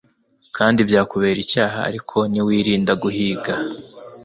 kandi byakubera icyaha Ariko niwirinda guhiga